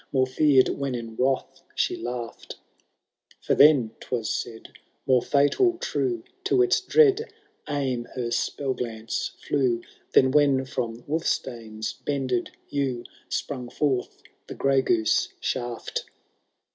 133 More fear'd when in wrath she laughed ; For then, Hwas said, more fatal true To its dread aim her spell glance flew, Than when from Wulfstane^s bended yew Sprung forth the grey goose shaft.